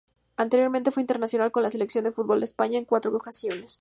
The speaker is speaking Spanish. Anteriormente fue internacional con la Selección de fútbol de España en cuatro ocasiones.